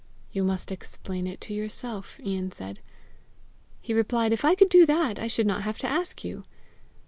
"You must explain it to yourself," Ian said. He replied, "If I could do that, I should not have to ask you."